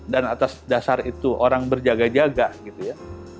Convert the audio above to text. dan atas dasar itu orang berjaga jaga gitu ya